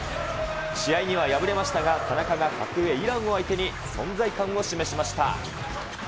試合には敗れましたが、田中が格上イランを相手に存在感を示しました。